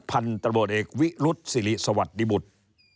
พันตระบวดเอกวิรุษสิริสวัสดิบุตร